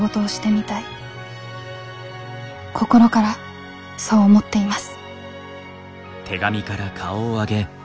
心からそう思っています」。